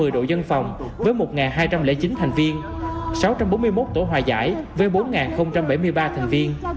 một mươi đội dân phòng với một hai trăm linh chín thành viên sáu trăm bốn mươi một tổ hòa giải với bốn bảy mươi ba thành viên